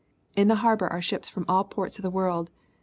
In the harbor are ships from all ports of the world.